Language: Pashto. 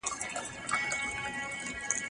خپل اخلاق د نورو لپاره بېلګه وګرځوئ.